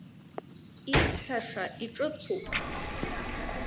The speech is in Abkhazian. Исҳәаша иҿыцуп.